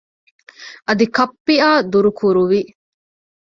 އަދި ކައްޕިއާ ދުރުކުރުވި